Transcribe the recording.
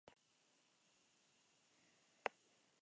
Y luego en el Vanderbilt University Herbarium.